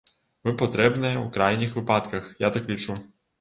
Мы патрэбныя ў крайніх выпадках, я так лічу.